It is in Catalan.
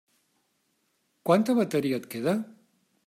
Quanta bateria et queda?